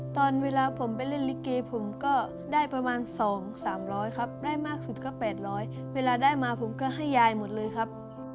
ตอนเวลาผมไปเล่นลิเกผมก็ได้ประมาณ๒๓๐๐ครับได้มากสุดก็๘๐๐เวลาได้มาผมก็ให้ยายหมดเลยครับ